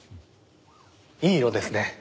いい色ですね。